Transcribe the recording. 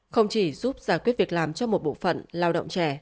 không chỉ giúp giải quyết việc làm cho một bộ phận lao động trẻ